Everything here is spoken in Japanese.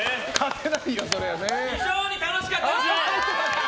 非常に楽しかったです！